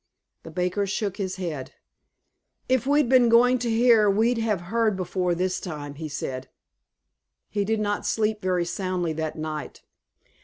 The baker shook his head. "If we'd been going to hear, we'd have heard before this time," he said. He did not sleep very soundly that night.